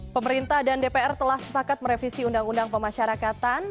pemerintah dan dpr telah sepakat merevisi undang undang pemasyarakatan